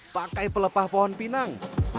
pakai pelepah pohon pinang